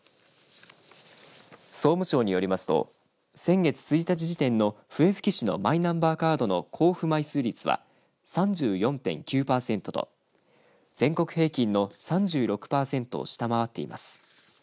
総務省によりますと先月１日時点の笛吹市のマイナンバーカードの交付枚数率は３４．９パーセントと全国平均の３６パーセントを下回っています。